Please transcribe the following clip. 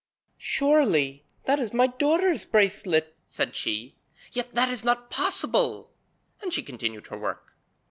'Surely that is my daughter's bracelet,' said she. 'Yet that is not possible!' And she continued her work.